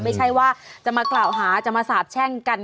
ไม่ใช่ว่าจะมากล่าวหาจะมาสาบแช่งกัน